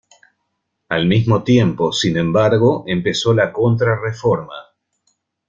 Al mismo tiempo, sin embargo, empezó la Contrarreforma.